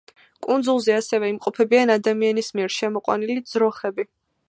კუნძულზე ასევე იმყოფებიან ადამიანის მიერ შემოყვანილი ძროხები.